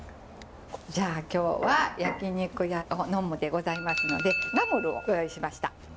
じゃあ今日は「焼肉屋を呑む」でございますのでナムルをご用意しました。